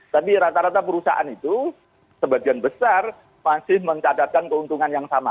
tapi rata rata perusahaan itu sebagian besar masih mencatatkan keuntungan yang sama